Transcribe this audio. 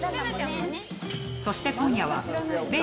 そして今夜はべー